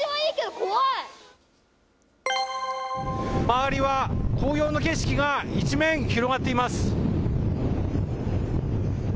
周りは紅葉の景色が一面広がっています。